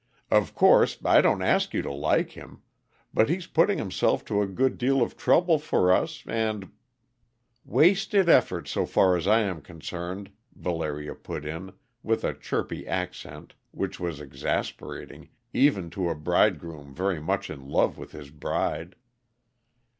"Of course, I don't ask you to like him; but he's putting himself to a good deal of trouble for us, and " "Wasted effort, so far as I am concerned," Valeria put in, with a chirpy accent which was exasperating, even to a bridegroom very much in love with his bride.